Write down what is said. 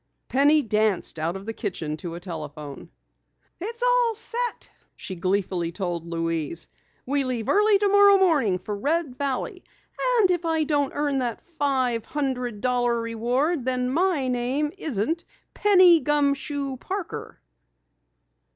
Penny danced out of the kitchen to a telephone. "It's all set," she gleefully told Louise. "We leave early tomorrow morning for Red Valley. And if I don't earn that five hundred dollar reward then my name isn't Penny Gumshoe Parker!"